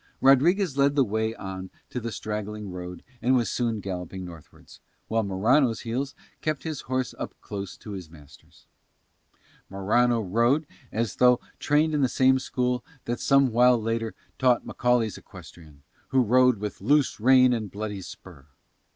Rodriguez led the way on to the straggling road and was soon galloping northwards, while Morano's heels kept his horse up close to his master's. Morano rode as though trained in the same school that some while later taught Macaulay's equestrian, who rode with "loose rein and bloody spur."